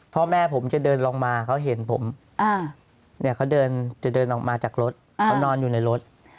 พ่อแม่ผมจะเดินลงมาเขาเห็นผมเขาจะเดินออกมาจากรถเขานอนอยู่ในรถ